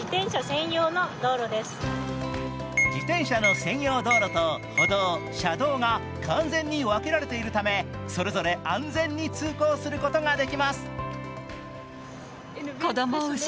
自転車の専用道路と、歩道、車道が完全に分けられているためそれぞれ安全に通行することができます。